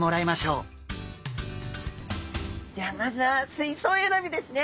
ではまずは水槽選びですね。